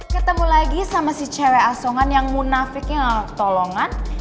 ketemu lagi sama si cewek asongan yang munafiknya tolongan